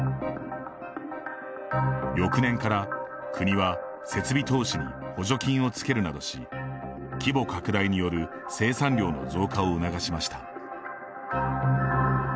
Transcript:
翌年から、国は設備投資に補助金をつけるなどし規模拡大による生産量の増加を促しました。